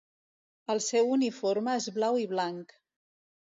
El seu uniforme és blau i blanc.